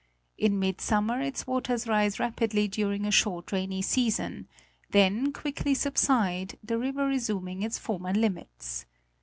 In mid summer its waters rise rapidly during a short rainy season ; then quickly subside, the river resuming its former limits.